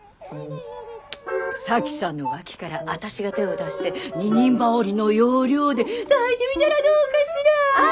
沙樹さんの脇から私が手を出して二人羽織の要領で抱いてみたらどうかしら？